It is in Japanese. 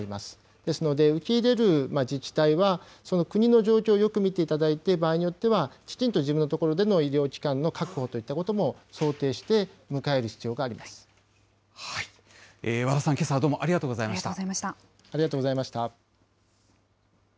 ですので受け入れる自治体は、その国の状況をよく見ていただいて、場合によっては、きちんと自分の所での医療機関の確保といったことも想定して、迎える必要があり和田さん、けさはどうもありありがとうございました。